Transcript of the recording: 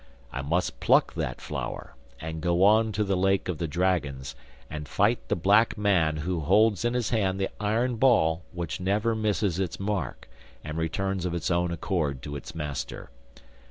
I must pluck that flower, and go on to the lake of the dragons and fight the black man who holds in his hand the iron ball which never misses its mark and returns of its own accord to its master.